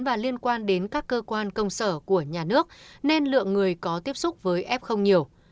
và liên quan đến các cơ quan công sở của nhà nước nên lượng người có tiếp xúc với f không nhiều